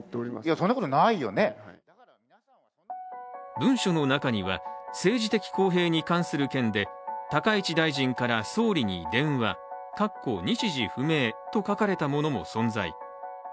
文書の中には政治的公平に関する件で「高市大臣から総理に電話」と書かれたものも存在。